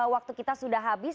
waktu kita sudah habis